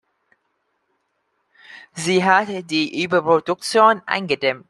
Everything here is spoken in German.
Sie hat die Überproduktion eingedämmt.